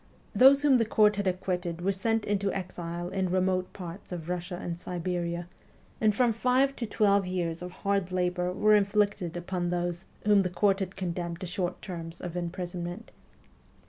Those whom the court had acquitted were sent into exile in remote parts of Russia and Siberia, and from five to twelve years of hard labour were inflicted upon those whom the court had condemned to short terms of imprisonment.